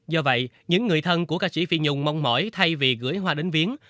do vậy những người thân của ca sĩ phi nhung mong mỏi thay vì gửi hoa đến viến